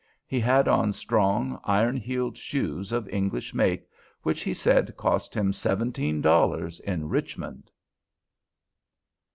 He had on strong, iron heeled shoes, of English make, which he said cost him seventeen dollars in Richmond.